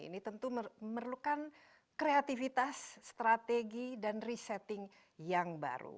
ini tentu merlukan kreativitas strategi dan resetting yang baru